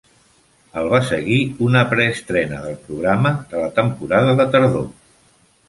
El va seguir una preestrena del programa de la temporada de tardor.